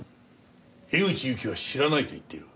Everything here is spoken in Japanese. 江口ゆきは知らないと言っている。